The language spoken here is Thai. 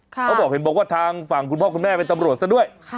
เขาบอกเห็นบอกว่าทางฝั่งคุณพ่อคุณแม่เป็นตำรวจซะด้วย